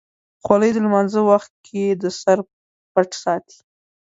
خولۍ د لمانځه وخت کې د سر پټ ساتي.